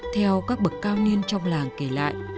theo các bậc cao niên trong làng kể lại